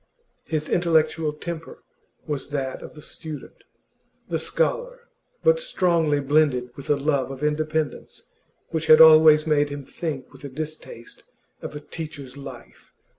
His intellectual temper was that of the student, the scholar, but strongly blended with a love of independence which had always made him think with distaste of a teacher's life.